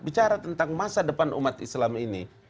bicara tentang masa depan umat islam ini